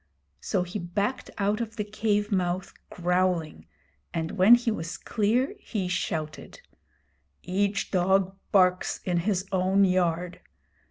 So he backed out of the cave mouth growling, and when he was clear he shouted: 'Each dog barks in his own yard!